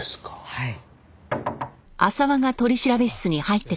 はい。